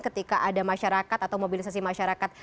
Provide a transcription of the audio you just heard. ketika ada masyarakat atau mobilisasi masyarakat